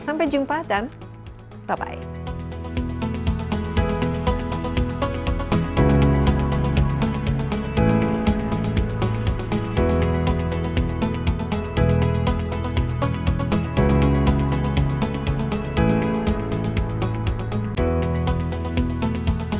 sampai jumpa dan bye bye